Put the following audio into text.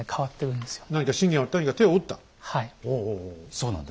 そうなんです。